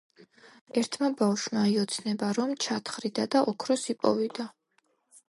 ერთმა ბავშვმა იოცნება, რომ ჩათხრიდა და ოქროს იპოვიდა.